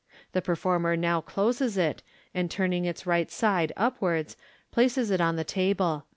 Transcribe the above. The performer now closes it, and turning its right side upwards, places it on the table.